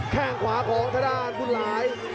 แข้งขวาของทะดานกุ้นหลาย